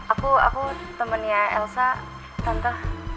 aku aku temennya elsa contoh